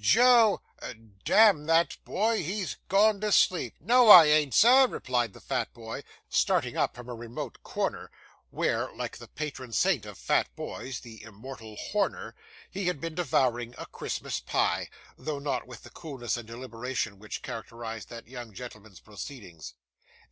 'Joe damn that boy, he's gone to sleep.' No, I ain't, sir,' replied the fat boy, starting up from a remote corner, where, like the patron saint of fat boys the immortal Horner he had been devouring a Christmas pie, though not with the coolness and deliberation which characterised that young gentleman's proceedings.